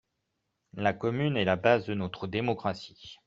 La commune est la base de notre démocratie.